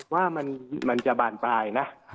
ว่ามันจะบานปลายนะ